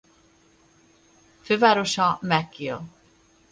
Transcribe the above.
Fővárosa Mek’ele.